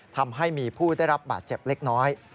ทำให้มีผู้ได้รับบาดเจ็บเล็กน้อย